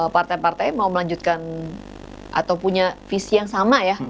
partai partai mau melanjutkan atau punya visi yang sama ya